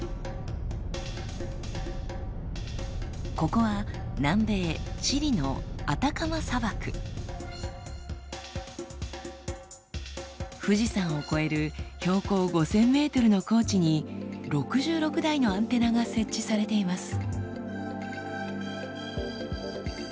ここは南米富士山を超える標高５，０００ｍの高地に６６台のアンテナが設置されています。